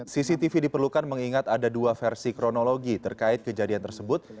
cctv diperlukan mengingat ada dua versi kronologi terkait kejadian tersebut